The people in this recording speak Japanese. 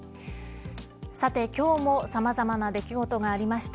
さて今日もさまざまな出来事がありました。